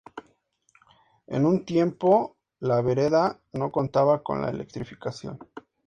En un tiempo la vereda no contaba con la electrificación.